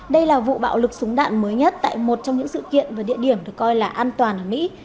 đây là vụ bạo lực súng đạn mới nhất tại một trong những sự kiện và địa điểm được coi là an toàn ở mỹ